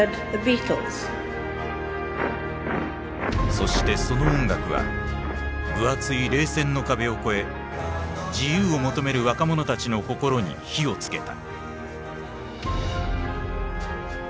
そしてその音楽は分厚い冷戦の壁を越え自由を求める若者たちの心に火を付けた。